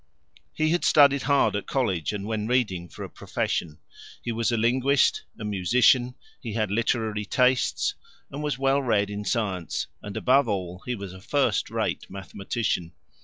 He had studied hard at college and when reading for a profession; he was a linguist, a musician, he had literary tastes, and was well read in science, and above all he was a first rate mathematician.